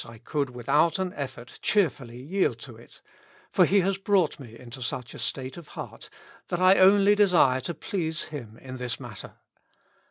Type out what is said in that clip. I could without an effort, cheerfully yield to it ; for He has brought me into such a state of heart, that I only desire to please Him iu this matter.